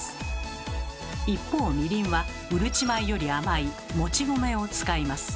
一方みりんはうるち米より甘いもち米を使います。